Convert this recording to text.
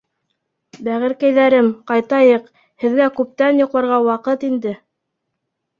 —Бәғеркәйҙәрем, ҡайтайыҡ! һеҙгә күптән йоҡларға ваҡыт инде!